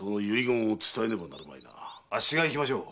あっしが行きましょう。